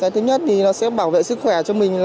thứ nhất thì nó sẽ bảo vệ sức khỏe cho mình